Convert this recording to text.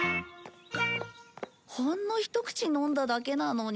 ほんのひと口飲んだだけなのに。